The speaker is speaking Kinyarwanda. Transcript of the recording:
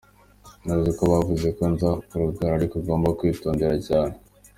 Ntuzi ko bavuze ko ngo za Rugara ariho ugomba kwitondera cyaneee.